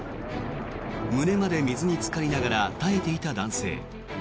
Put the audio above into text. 胸まで水につかりながら耐えていた男性。